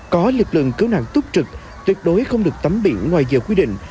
có lực lượng cứu nạn túc trực tuyệt đối không được tắm biển ngoài giờ quy định